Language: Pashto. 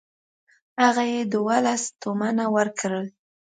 هغه ته یې دوولس تومنه ورکړل.